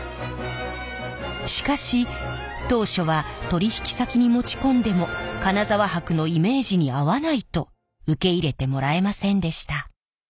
しかし当初は取引先に持ち込んでも金沢箔のイメージに合わないと受け入れてもらえませんでした。